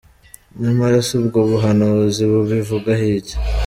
Nyamara se ubwo buhanuzi bubivugaho iki ?.